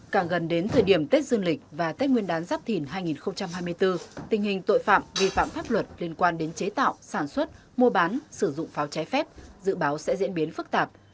càng gần đến thời điểm tết dương lịch và tết nguyên đán giáp thìn hai nghìn hai mươi bốn tình hình tội phạm vi phạm pháp luật liên quan đến chế tạo sản xuất mua bán sử dụng pháo trái phép dự báo sẽ diễn biến phức tạp